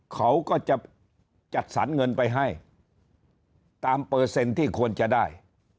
เขาก็จะจัดสรรเงินไปให้ตามเปอร์เซ็นต์ที่ควรจะได้